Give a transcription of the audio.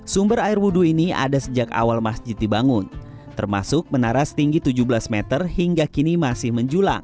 sumber air wudhu ini ada sejak awal masjid dibangun termasuk menara setinggi tujuh belas meter hingga kini masih menjulang